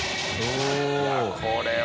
舛叩いやこれは。